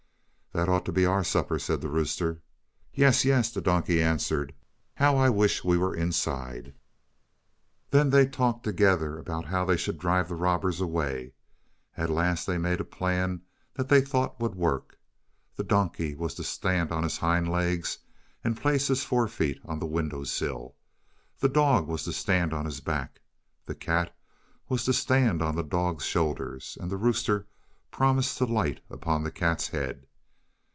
"That ought to be our supper," said the rooster. "Yes, yes," the donkey answered; "how I wish we were inside." Then they talked together about how they should drive the robbers away. At last they made a plan that they thought would work. The donkey was to stand on his hind legs and place his forefeet on the window sill. The dog was to stand on his back. The cat was to stand on the dog's shoulders, and the rooster promised to light upon the cat's head.